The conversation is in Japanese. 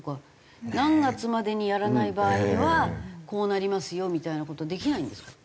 何月までにやらない場合にはこうなりますよみたいな事できないんですか？